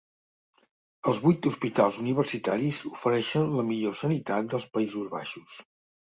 Els vuit hospitals universitaris ofereixen la millor sanitat dels Països Baixos.